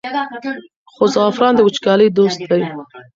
خو زعفران د وچکالۍ دوست دی.